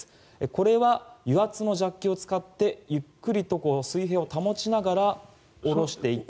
これは油圧のジャッキを使ってゆっくりと水平を保ちながら下ろしていって。